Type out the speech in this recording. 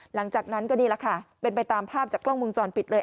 หลังจากนั้นก็นี่แหละค่ะเป็นไปตามภาพจากกล้องวงจรปิดเลย